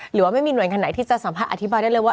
หรือว่าไม่มีหน่วยงานไหนที่จะสามารถอธิบายได้เลยว่า